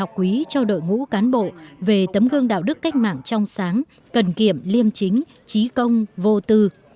học quý cho đội ngũ cán bộ về tấm gương đạo đức cách mạng trong sáng cần kiệm liêm chính trí công vô tư